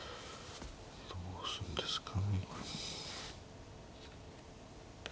どうすんですか。